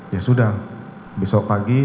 ya sudah besok pagi